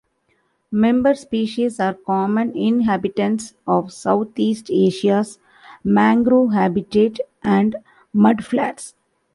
Member species are common inhabitants of Southeast Asia's mangrove habitat and mudflats.